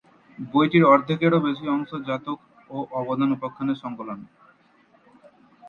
বইটির অর্ধেকেরও বেশি অংশ জাতক ও অবদান উপাখ্যানের সংকলন।